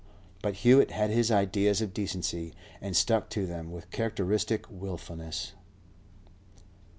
But Hewett had his ideas of decency, and stuck to them with characteristic wilfulness.